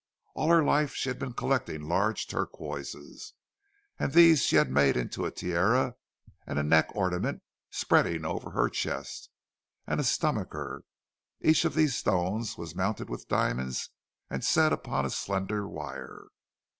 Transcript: All her life she had been collecting large turquoises, and these she had made into a tiara, and a neck ornament spreading over her chest, and a stomacher. Each of these stones was mounted with diamonds, and set upon a slender wire.